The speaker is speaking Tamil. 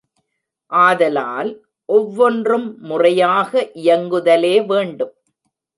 ஆதலால், ஒவ்வொன்றும் முறையாக இயங்குதலே வேண்டும்.